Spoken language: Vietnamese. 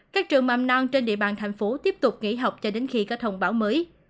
các trường mầm non trên địa bàn thành phố tiếp tục nghỉ học cho đến khi có thông báo mới